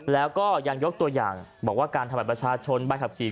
แล้วก็ยังยกตัวอย่างบอกว่าการทำบัตรประชาชนใบขับขี่